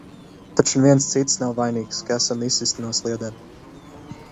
Taču neviens cits nav vainīgs, ka esam izsisti no sliedēm.